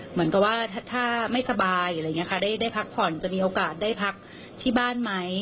เหมือนกับว่าถ้าไม่สบายหรืออะไรอย่างนี้ค่ะได้พักผ่อนจะมีโอกาสได้พักที่บ้านไหม